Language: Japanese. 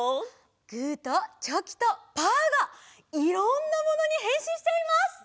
グーとチョキとパーがいろんなものにへんしんしちゃいます！